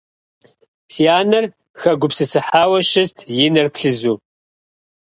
Си анэр хэгупсысыхьауэ щыст и нэр плъызу.